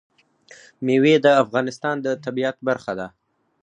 مېوې د افغانستان د طبیعت برخه ده.